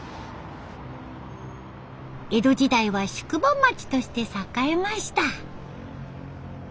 江戸時代は宿場町として栄えました。